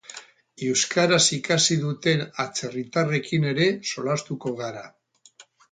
Euskaraz ikasi duten atzerritarrekin ere solastuko gara.